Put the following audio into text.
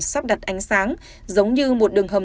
sắp đặt ánh sáng giống như một đường hầm